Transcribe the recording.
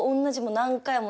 何回も。